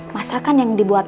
masakan yang dibuat